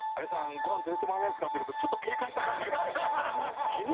ごはん連れていってもらえないですか？」って言われるとちょっと警戒した感じが。